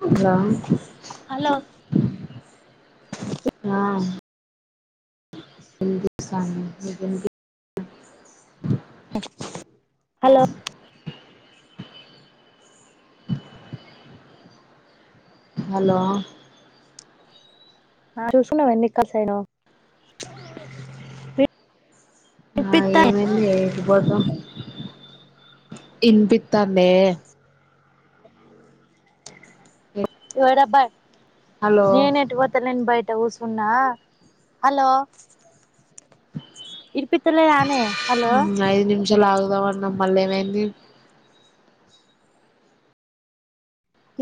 Hello hello ఆ [inaudible] hello hello ఆహ్ చూసుకున్నావా ఎన్ని కర్స్ అయినాయో ఆ ఇనిపిత్తాంది ఏమైంది ఎటు పోదాం ఇనిపిత్తాందే ఓరబ్బా హలో నేన్ ఎటూ పోతల్లే బయట్ ఊ కుసున్నా హలో ఇర్పితలేదనేే హలో మంచిలాగుదామన్నాం మళ్ళ ఏమైంది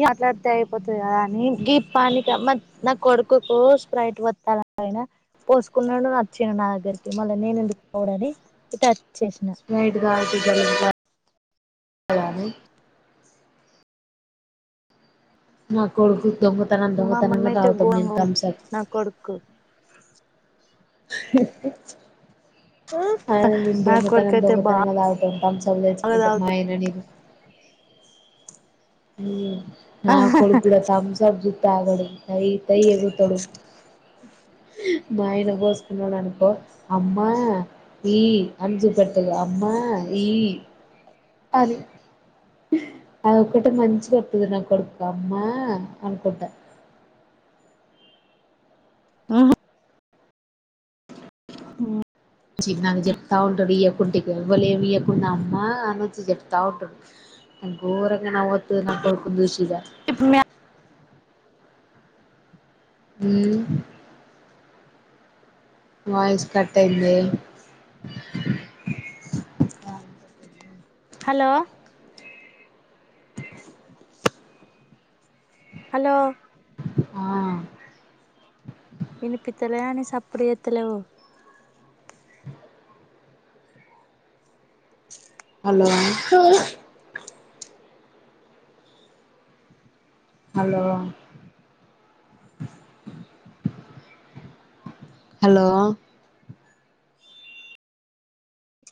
మాట్లాడితే అయిపోతుది కదా అని గీ పానిక మ నా కొడుకుకు స్ప్రైట్ వస్తాల ఆయినా పోసుకున్నాడు వచ్చాను నా దగ్గరికి మళ్ళ నేను ఎందుకు కావడని ఇ ట వచ్చేసాను స్ప్రైట్ తాగుతే జగ నా కొడుకు దొంగతనం మా మమ్మీ దొంగతనంగా అయితే తగుతాడు ఘోరంగా ఉంది తమ్సప్ నా కొడుకు [inaudible] ఆ అ దొంగతన దొంగతనంగా తాగుతామ్ తంసప్ తెచ్చుకుం టె మా తాగుతాడు ఆయన నేను నా కొడుకు కూడా తంసప్ జుతే ఆగడి అయి దయ ఎగుతడు మా ఆయన కోసుకున్నాడు అనుకో అమ్మా ఈ అని జుపెట్దుమ్ అమ్మా ఈ అది అద ఒక్కటి మంచి కతుది నా కొడుకు అమ్మా అనుకుంటా ఆహా ఉమ్ నాకు ఇప్పుడు నా అమ్మ అని వచ్చి చెప్తా ఉంటాడు నా ఘోరంగా నావత్తాది నాకు కొడుకుందిూషద ఆ ఉమ్ వయిస్ కట్టయిందే హలో హలో ఆ ఇనిపిత్తలేదానే సప్పుడు చేస్తలేవు హలో హలో హలో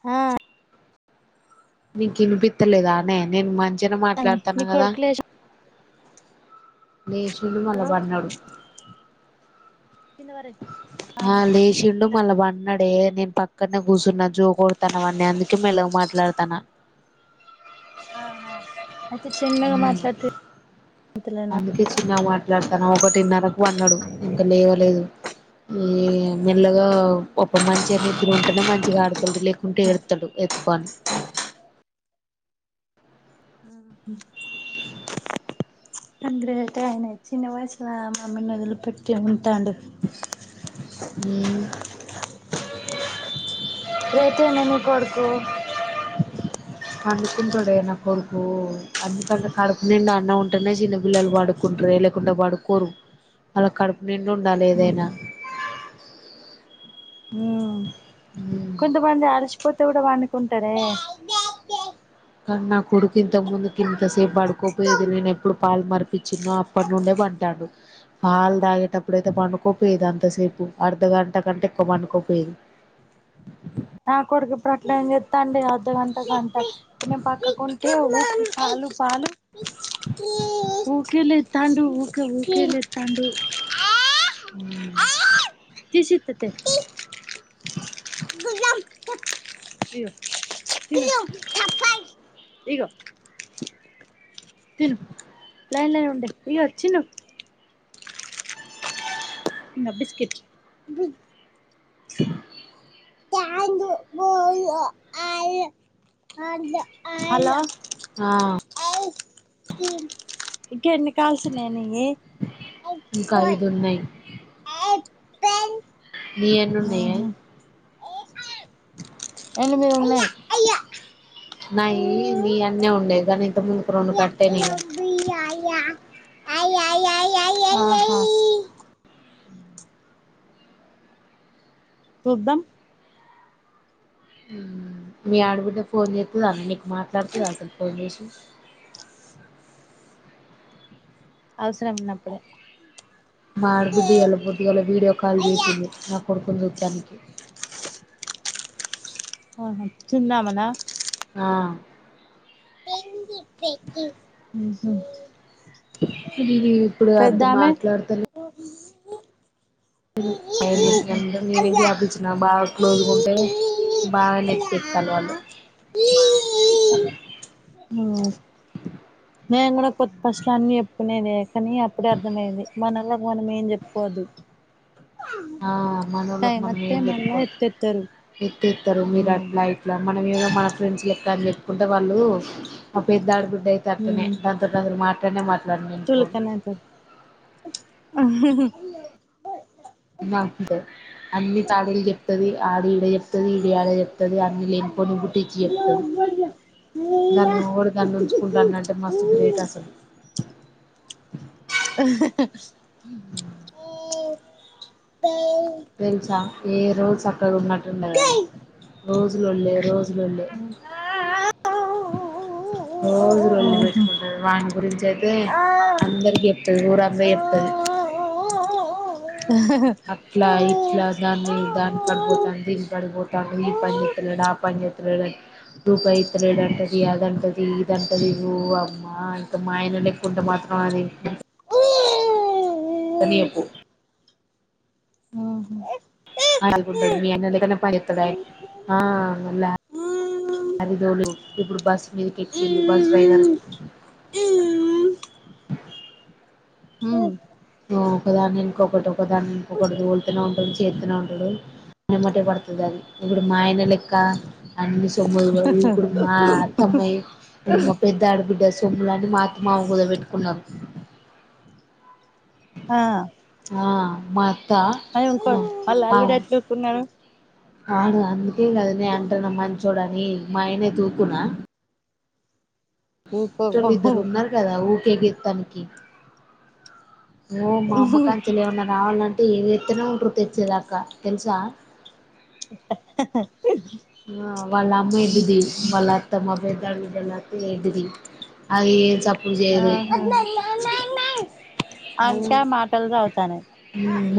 హా నీకు వినిపి వినిపిత్త లేదా అనే నేను మంచినే అంది నీ మాట్లాడతాన కదా కొడుకు లేచి లెషిన్డు మళ హలో పన్నాడు కింద వార అ లేశిండు మళ బన్నాడే పక్కనే కూచురున్న జో కొడతాన అవన్నీ అందుకే మెలువ మాట్లాడతాను ఆహా అయితే చిన్నగా మాట్లాడుతు అందుకే చిన్నగా మాట్లాడుతాను ఒకటిన్నరకు పన్నాడు ఇంకా లేవలేదు ఈ మెల్లగా పాపం మంచిగా నిద్ర ఉంటేనే మంచిగా ఆడుతాడు లేకుంటే ఎడతాడు ఎత్తుకొని గ్రేట్ అ ఆయన చిన్న వయసులో మమ్మీని వదిలీ పెట్టి ఉ అండి గ్రేట్ నీ కొడుకు పన్డుకుంటాడే నా కొడుకు అందుకంట కడుపు నిండి అన్న ఉంటేనే చిన్నపిల్లలు పడుకుంట లే లేకుండా పడుకోరు వాళ్ళకి కడుపు నిండి ఉండాలి ఏదైనా ఉమ్ కొంతమంది అలిసిపోతే కూడా పన్డుకుంటారే కానీ నా కొడుకు ఇంతకు ముందుకి ఇంతసేపు పడుకోపోయేది నేను ఎప్పుడు పాలు మరిపించినో అప్పటి నుండే పంటాడు పాలు తాగేటప్పుడు అయితే పండుకోపోయదు అంతసేపు అర్ధగంట కంటే ఎక్కువ పండుకో పోయేది నా కొడుకు ప్రకట చెత్తాండి అర్ధగంట గంట నేను పక్కకుంటే పాలు పాలు తాండు ఊక ఊక తాడు తీసిత్తతే ఇ లైన్ లైన్ ఉండే ఉ బిస్కట్ పో ఆ అ హలో ఆ ఇంక ఎన్ని కాల్స్ ఉనాయి ఇంకా ఐదు ఉన్నాయి ఆ కా నీ ఎన్న ఉన్నాయ ఎనిమిది ఉన్నాయి నయ నీ అన్న ఉండేదనీ ఎబ అయయియి అయి చూద్దాం మీ ఆడుబిడ్డ ఫోన్ చేతదాన్న నీకు మాట్లాడుతదా సలు ఫోన్ చేసి అవసరం ఉన్నపుడే మా ఆడబిడ్డ ఇవాళ పొద్దుగాళ వీడియో కాల్ చేసింది ఆహా నా కొడుకు చుత్తానికి అవున చిన్న ఆమన ఆ ఉహు ఇప్పుడు అంత పెద్దామె మాట్లాడుతాలే అంటే ఉహు నేనే గ్యాప్ ఇచ్చిన బాగా క్లోజ్గా ఉంటే బాగా నెత్తికి ఎతికెతాలు వాళ్ళు ఉమ్ మేం కూడా కొత్త పస్లా అన్ని చెప్పుకునేది కానీ అప్పుడే అర్థమయేది మనల్లాకి మనం ఏం చెప్పుకోదు ఆ మనలోకి మన ఏం మళ్ళా ఎత్తేత్తరు చెప్పుకోవదు తారు మీరు ఉమ్ అట్లా ఇట్ల మనం ఏదో మన ఫ్రెండ్స్ లెక్క అని చెప్పుకుంటే మా పెద్ద ఆడబిడ్డ అయితే అట్టనే హ్మ్ దాంత అసలు మాట్లాడి చులకన అయితారు అన్ని చాడీలు చెప్తది ఆడిడ చెప్ ఈడియాడ చెప్తది అన్ని లేని పోని బుట్టిచ్చి చెప్తది దాని మొగడు దాన్ని ఉంచుకుంటాన్నంటే మస్తు గ్రేట్ అసలు తెలుసా ఏ రోజు అక్కడ ఉన్నట్టుండడది రోజులొళ్లేే రోజు లొల్లే రోజు లొల్లి పెట్టుకుంటది వాడ్ని గురించి అయితే అందరికి చెప్తది ఊరంతా చెప్తది అట్లా ఇ ఇట్లా అట్లా అని దాని కాడికి పోతాండు దీని కాడికి పోతాండు ఈ పని చేయట్లేదు ఆ పని చేత్తలేడు రూపాయి ఇత్తలేడు అంట ఇది అదంటది ఇదంటది ఓ అమ్మా ఇంత మా ఆయన లేక్కుంటే మాత్రం అది అని చెప్పు ఖాళీగా ఉంటాడా మీ అన్న లెక్కనే పనిచేస్తాడాయే ఆ.. అది తోలు ఇప్పుడు బస్సు మీద కేక్కిండు బస్ డ్రైవర్ గ [unintelligible] ఒకదాని ఎనుకొకటి ఒకదాన్ని ఇంకొకడు తొలుతనే ఉంటడు చేత్తనే ఉంటడు. ఎమ్మటే పడుతది అది ఇప్పుడు మా ఆయన లెక్క అన్ని తొమ్మిది రోజులు ఇప్పుడు మా అత్తమ్మయి మా పెద్ద ఆడబిడ్డ సొమ్ములన్ని మా అత్తమామ కూద పెట్టుకున్నరు. ఆ ఆ మా అదే ఇంకో ఆల్ల అల్లుడు ఎట్ల ఉకున్నడు. ఆడు అందుకే కద నే అంటున్నా మంచోడని మా ఆయన అయితే ఉకునా ఊకోకపో ఇంట్లోల్లు ఇద్దరు ఉన్నరు కదా ఊకే ఎగేత్తానికి. ఓ మా అమ్మకానుంచి ఏమన్నా రావాలంటే ఇగ ఎగెత్తనే ఉంటరు తెచ్చేదాక తెల్సా. [unintelligible] ఆ వాళ్ళ అమ్మ ఎడ్డిది, వాళ్ళ అత్తమ్మ పెద్ద ఆడబిడ్డోల్ల అత్త ఎడ్దిది. అది ఏ సప్ ఆహా అందుకే ఆ మాటలు సా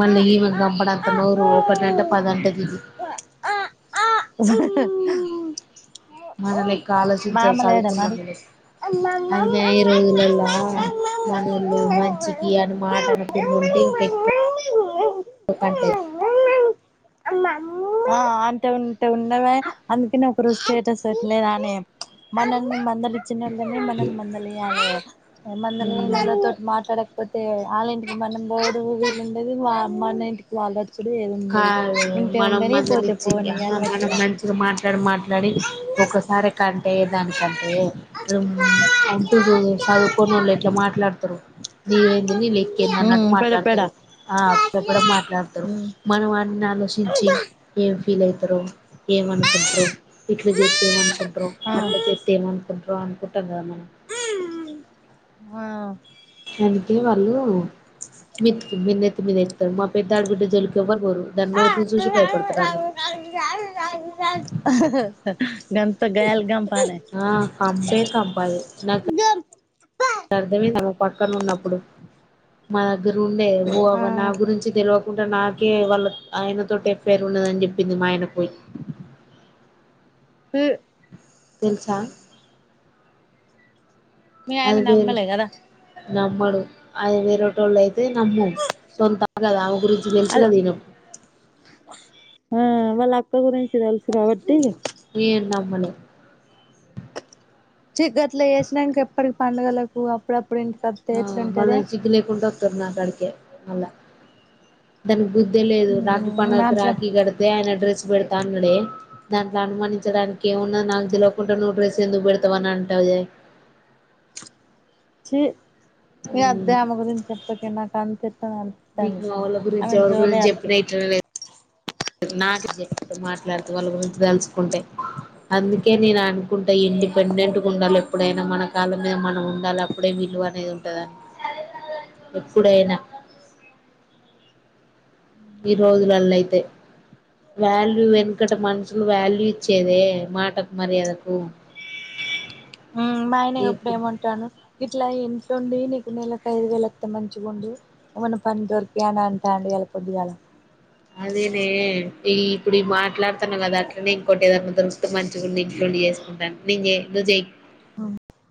మళ్ళ ఈమె గంపడంత నోరు ఒకటంటే పదంటది ఇది. మన లెక్క ఆలోచించరు మామ లేడా మరి చదువుకున్నోల్లలెక్క ఆ అయినా ఈ రోజులలా మనోళ్లు మంచికి అని మాట అనుకుంట ఉంటే ఇంక ఎక్కు కంటే అంటే ఉంటే ఉండవె అందుకే నా ఒక రోజు స్టేటస్ పెట్లేదానే మనల్ని మందలిచ్చినోళ్ళనే మనం మందలియాలే. కంటది మందలియనోలతోటి మాట్లాడకపోతే ఆళ్ళ ఇంటికి మనం పోవుడు ఉండది మా మన ఇంటికి వాళ్ళు వచ్చుడు ఏది ఉండదు కాదే మనం ఉంటే మనం ఉండని పోతే మందలిచ్చి పోని ఆహా అని మనం పెట్టిన మంచిగా మాట్లాడి మాట్లాడి ఒకసారి కంటయి యేదానికంటే ఉంటూ చవు చదువుకోనోళ్ళు ఎట్లా మాట్లాడతరు. నీవేంది నీ లెక్కేంది అన్నట్టు ఉమ్ పెడ పెడ మాట్లాడతరు ఆ అప్పుడప్పుడు మాట్లాడతరు. ఉమ్ అన్ని ఆలోచించి ఏం ఫీల్ అయితరో ఏమనుకుంట్రో, ఇట్ల చేత్తె ఏమనుకుంటరో, అట్ల చేత్తే ఏమనుకుంటరో అనుకుంటంకదా మనం ఆ అందుకే వాళ్ళు మిత్తి మీ నెత్తిమీద ఎక్కుతది మా పెద్ద ఆడుబిడ్డ జోలికి ఎవరు ఆహా హ గంత గయ్యాలి గం ఆ కంపే కంపా అది నాకు అర్దమే కాదు. పక్కన ఉన్నప్పుడు మా దగ్గర ఉండే ఓ ఆ అవ్వా నా గురించి తెలవ కుంటే నాకే వాళ్ళ ఆయన తోటి ఎఫయిర్ ఉన్నదని చెప్పింది మా ఆయన కి పోయి ఉ తెలుసా మీ ఆయన అది వేరు నమ్మలే కదా నమ్మడు అది వేరేటోళ్ళు అయి తే నమ్ము సొంతం గదా అమే గురించి తెలుసు అ కదా నీకు ఆ వాళ్ళ అక్క గురించి తెలుసు కాబట్టి ఏం నమ్మలేం చి గట్లా చేేసినంక ఎప్పటికి పండగలకు అప్పుడప్పు ఆ మళ్ళ సిగ్గు లేకుండా వత్తరు నాకాడికే మళ్ళా దానికి బుద్దే లేదు రాఖీ మ్మ్ పండుగకి అట్లా రాఖీ కడితే ఆయన డ్రెస్ పెడతా అన్నడె దాంట్లో అనుమానించడానికి ఏమున్నది. నాకు తెలవకుండా నువ్వు డ్రెస్ ఎందుకు పెడతవు అని అం అంటా ఉందే. చి ఇకా అద్దే ఆమె గురించి చెప్పకె నాకు అంతే అ ఆమె అంతే నీకు అనిద్ధి మా వాళ్ళ గురించి ఆమె ఎవరి జోలే గురించి చెప్పినా ఎత్తొద్ధు ఇట్లనే నాకే మాట్లాడితే వాళ్ళ గురించి తలుచుకుంటే అందుకే నేను అనుకుంటే ఇ ండిపెండెంట్గా ఉండాలి ఎప్పుడైనా మన కాళ్ళమీద మనం ఉండాలి అప్పుడే విలువ అనేది ఉంటదని ఎప్పుడైనా ఈ రోజులల్లో అయితే వాల్యూ వెనకట మనుషులు వాల్యూ ఇచ్చేదే మాటకు మర్యాదకు ఉమ్ మాఆయనే ఇప్పుడు ఏమంటాను ఇట్లా ఏ ట్టండి నీకు నెలకు ఐదు వేలువస్తే మంచిగుండి ఏమన్నా పని దొరికి అని అంటాండు ఇయల పొద్దిగాల అదేనే ఈ ఇప్పుడు మాట్లాడుతునువు కదా అట్లనే ఇంకోటి ఏదన్నా దొతూ [unintelligible] మంచిగు నీంకళ్ళ చేసుకుంటాను నేను చే నువ్